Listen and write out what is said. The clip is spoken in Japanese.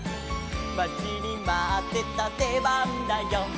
「まちにまってたでばんだよ」